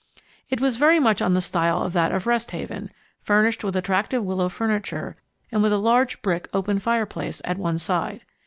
It was very much on the style of that of Rest Haven, furnished with attractive willow furniture, and with a large brick open fireplace at one side.